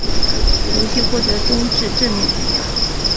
游戏获得中至正面评价。